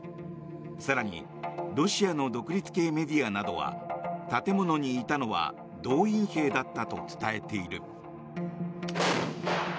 更にロシアの独立系メディアなどは建物にいたのは動員兵だったと伝えている。